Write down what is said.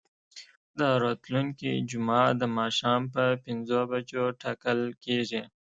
دا راتلونکې جمعه د ماښام په پنځو بجو ټاکل کیږي.